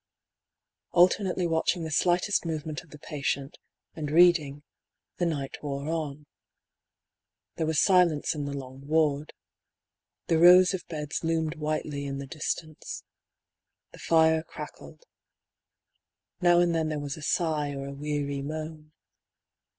Alternately watching the slightest movement of the patient, and reading, the night wore on. There was silence in the long ward. The rows of beds loomed whitely in the distance. The fire crackled. Now and then there was a sigh or a weary moan.